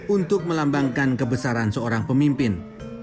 untuk melambangkan kebesaran seorang pemimpin